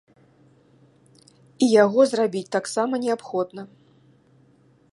І яго зрабіць таксама неабходна.